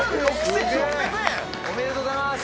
「おめでとうございます！」